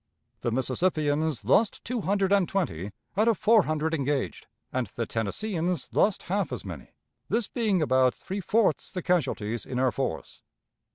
The Mississippians lost two hundred and twenty out of four hundred engaged, and the Tennesseeans lost half as many, this being about three fourths the casualties in our force.